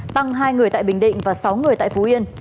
tăng hai người tại bình định và sáu người tại phú yên